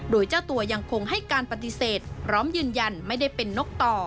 โดยเจ้าตัวยังคงให้การปฏิเสธพร้อมยืนยันไม่ได้เป็นนกต่อ